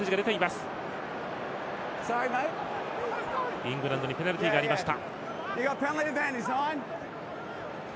イングランドにペナルティがありました。